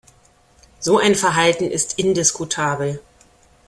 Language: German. So ein Verhalten ist indiskutabel.